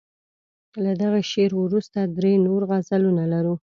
له دغه شعر وروسته درې نور غزلونه لرو.